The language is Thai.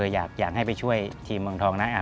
อยากให้ไปช่วยทีมเมืองทองนะ